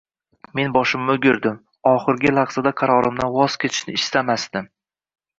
Men boshimni o‘girdim, oxirgi lahzada qarorimdan voz kechishni istamasdim